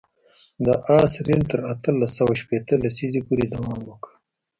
د آس رېل تر اتلس سوه شپېته لسیزې پورې دوام وکړ.